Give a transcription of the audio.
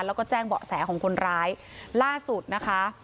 แล้วก็แจ้งเบาะแสของคนร้ายล่าสุดนะคะ